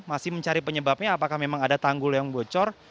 masih mencari penyebabnya apakah memang ada tanggul yang bocor